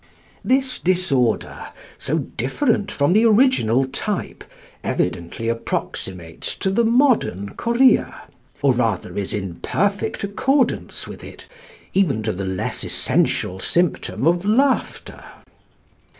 This disorder, so different from the original type, evidently approximates to the modern chorea; or, rather, is in perfect accordance with it, even to the less essential symptom of laughter.